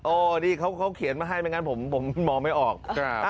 โอ้นี่เขาเขาเขียนมาให้ไม่งั้นผมผมมองไม่ออกครับ